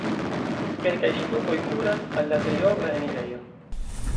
Kelkaj ŝtupoj kuras al la triobla enirejo.